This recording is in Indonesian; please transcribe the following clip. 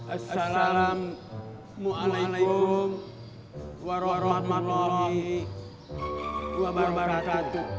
assalamu'alaikum warahmatullahi wabarakatuh